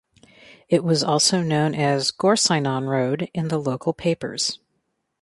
It was also known as Gorseinon Road in the local papers.